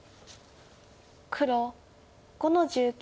黒５の十九。